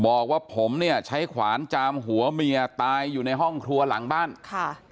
บอกว่าผมเนี่ยใช้ขวานจามหัวเมียตายอยู่ในห้องครัวหลังบ้านค่ะ